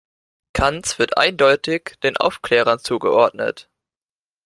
Kant wird eindeutig den Aufklärern zugeordnet.